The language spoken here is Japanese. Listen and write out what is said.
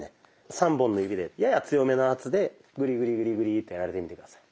３本の指でやや強めの圧でグリグリグリグリとやられてみて下さい。